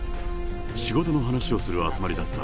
仕事の話をする集まりだった。